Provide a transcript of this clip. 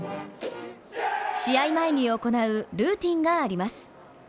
試合前に行うルーチンがあります。